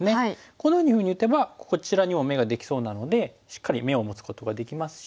こんなふうに打てばこちらにも眼ができそうなのでしっかり眼を持つことができますし。